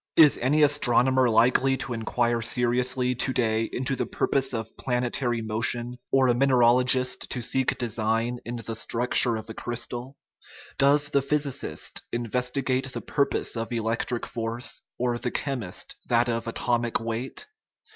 Is any astronomer likely to inquire seriously to day into the 260 THE UNITY OF NATURE purpose of planetary motion, or a mineralogist to seek design in the structure of a crystal? Does the phys icist investigate the purpose of electric force, or the chemist that of atomic weight?